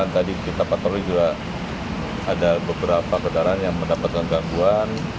pak tori juga ada beberapa pedara yang mendapatkan gangguan